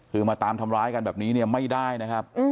คือมาตามทำร้ายกันแบบนี้เนี่ยไม่ได้นะครับ